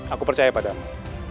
aku percaya padamu